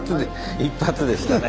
一発でしたね。